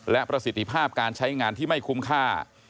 และประสิทธิภาพการใช้งานที่ไม่คุ้มค่า